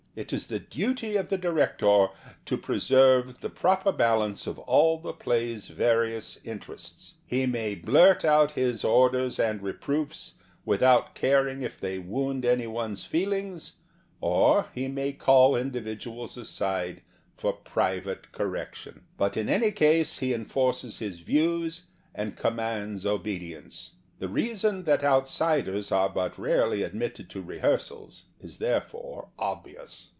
It is the duty of the director to preserve the proper balance of all the play's various interests. He may blurt out his orders and reproofs without caring if they wound any one's feelings, or he The Theatre and Its People 155 may call individuals aside for private correction. But in any case he enforces his views and commands ohedience. The reason that outsiders are hut rarely admitted to rehearsals is therefore ob vious.